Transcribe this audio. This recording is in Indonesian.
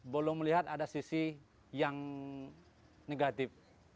belum melihat ada sisi yang negatif